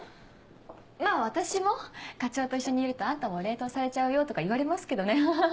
まぁ私も課長と一緒にいると「あんたも冷凍されちゃうよ」とか言われますけどねアハハ。